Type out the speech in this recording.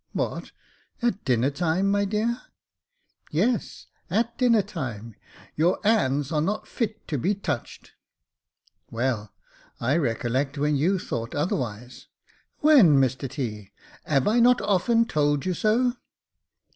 "What, at dinner time, my dear?" " Yes, at dinner time ; your 'ands are not fit to be touched." " Well, I recollect when you thought otherwise." *' When, Mr T. ? 'ave I not often told you so